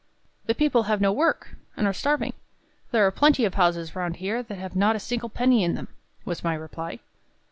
"The people have no work, and are starving; there are plenty of houses round here that have not a single penny in them," was my reply.